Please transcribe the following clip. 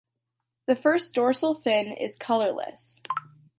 The first dorsal fin is colourless.